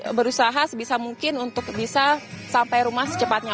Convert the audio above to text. kita berusaha sebisa mungkin untuk bisa sampai rumah secepatnya